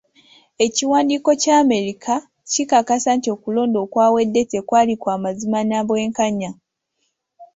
Ekiwandiiko kya Amerika kikakasa nti okulonda okwawedde tekwali kwa mazima nabwenkanya.